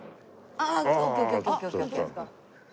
ああ。